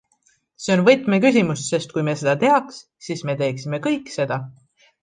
See on võtmeküsimus, sest kui me seda teaks, siis me teeksime kõik seda.